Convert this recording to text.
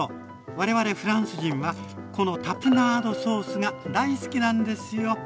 我々フランス人はこのタプナードソースが大好きなんですよ。